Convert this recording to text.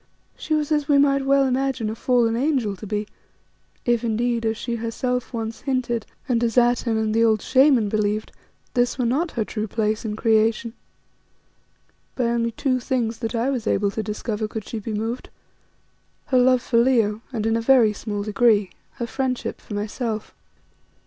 She was as we might well imagine a fallen angel to be, if indeed, as she herself once hinted and as Atene and the old Shaman believed, this were not her true place in creation. By only two things that I was able to discover could she be moved her love for Leo and, in a very small degree, her friendship for myself.